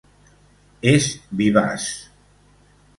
És vivaç.